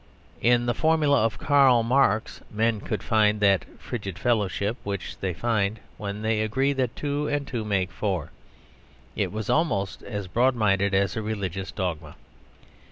In the formula of Karl Marx men could find that frigid fellowship which they find when they agree that two and two make four. It was almost as broadminded as a religious dogma.